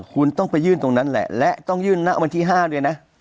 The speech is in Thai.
คุณต้องไปยื่นตรงนั้นแหละและต้องยื่นณวันที่๕ด้วยนะ